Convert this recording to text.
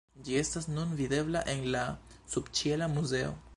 Ĝi estas nun videbla en la subĉiela muzeo.